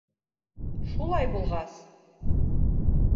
Шулай булғас?